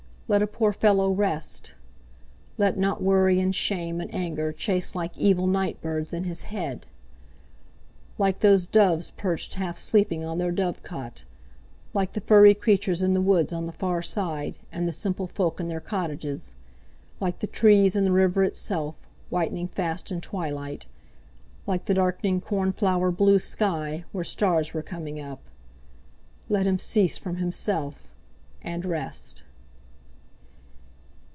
Let a poor fellow rest! Let not worry and shame and anger chase like evil night birds in his head! Like those doves perched half sleeping on their dovecot, like the furry creatures in the woods on the far side, and the simple folk in their cottages, like the trees and the river itself, whitening fast in twilight, like the darkening cornflower blue sky where stars were coming up—let him cease from himself, and rest!